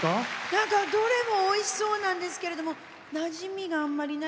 何かどれもおいしそうなんですけれどもなじみがあんまりないんです。